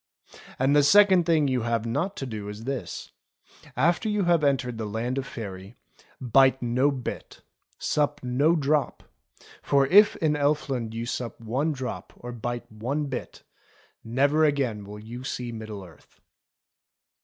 And the second thing you have not to do is this : after you have entered the Land of Faery, bite no bit, sup no drop ; for if in Elfland you sup one drop or bite one bit, never again will you see Middle Earth."